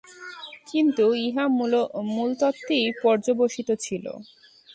কিন্তু ইহা মূলতত্ত্বেই পর্যবসিত ছিল।